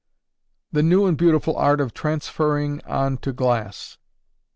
_The New and Beautiful Art of Transferring on to Glass.